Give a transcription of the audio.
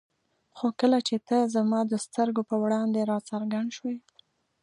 خو کله چې ته زما د سترګو په وړاندې را څرګند شوې.